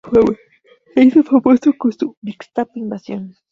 Se hizo famoso con su mixtape "Invasion!